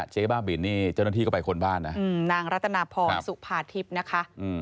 เจ๊บ้าบินนี่เจ้าหน้าที่ก็ไปค้นบ้านนะนางรัตนาพรสุภาทิพย์นะคะ